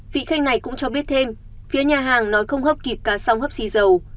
vị khách này cũng cho biết thêm phía nhà hàng nói không hấp kịp cả song hấp xì dầu